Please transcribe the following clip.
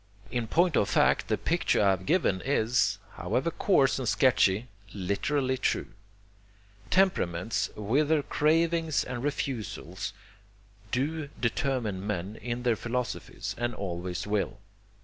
In point of fact the picture I have given is, however coarse and sketchy, literally true. Temperaments with their cravings and refusals do determine men in their philosophies, and always will.